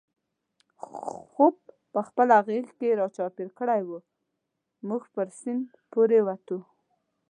خوپ په خپله غېږ کې را چاپېر کړی و، موږ پر سیند پورې وتو.